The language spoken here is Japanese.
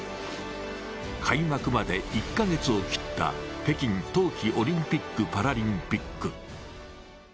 開幕まで１カ月を切った北京冬季オリンピック・パラリンピック。